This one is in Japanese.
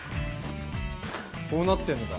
こうなってんだ。